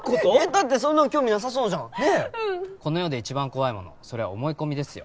だってそんなの興味なさそうじゃんねえこの世で一番怖いものそれは思い込みですよ